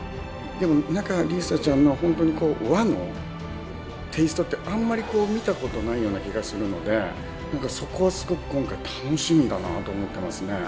仲里依紗ちゃんの本当にこう和のテイストってあんまり見たことないような気がするのでそこはすごく今回楽しみだなと思ってますね。